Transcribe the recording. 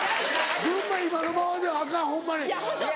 群馬今のままではアカンホンマ。